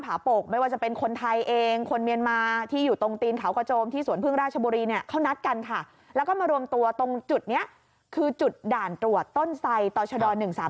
ท่านไทยเองคนเมียนมาที่อยู่ตรงตีนขาวกระโจมที่สวนพึ่งราชบุรีเขานัดกันค่ะแล้วก็มารวมตัวตรงจุดนี้คือจุดด่านตรวจต้นไซต์ต่อชะดอ๑๓๗